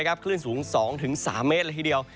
คลื่นสูง๒๓เมตรละทีเดียว